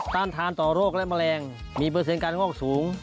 การทานต่อโรคและแมลงมีเปอร์เซ็นตการงอกสูง